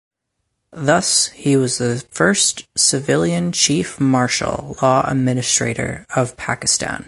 Thus, he was the first civilian Chief Martial Law Administrator of Pakistan.